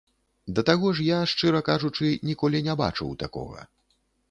Да таго ж я, шчыра кажучы, ніколі не бачыў такога.